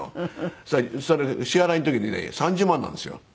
そしたら支払いの時にね３０万なんですよ。